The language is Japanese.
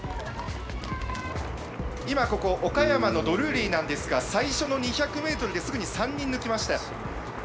今ここ、岡山のドルーリーなんですが、最初の２００メートルですぐに３人抜きました。